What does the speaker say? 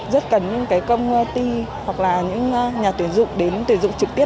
rất cần công ty hoặc là những nhà tuyển dụng đến tuyển dụng trực tiếp